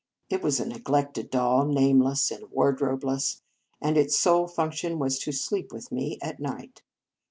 It was a neglected doll, nameless and wardrobeless, and its sole function was to sleep with me at night.